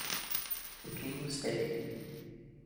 The King stayed.